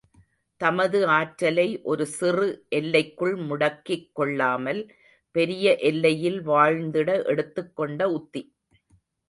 தமது ஆற்றலை ஒரு சிறு எல்லைக்குள் முடக்கிக் கொள்ளாமல் பெரிய எல்லையில் வாழ்ந்திட எடுத்துக் கொண்ட உத்தி.